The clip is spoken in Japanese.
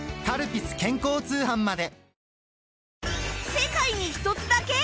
世界に一つだけ！？